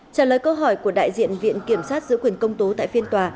trả lời câu hỏi của đại diện viện kiểm sát giữ quyền công tố tại phiên tòa